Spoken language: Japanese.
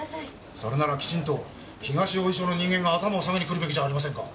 それならきちんと東王子署の人間が頭を下げに来るべきじゃありませんか？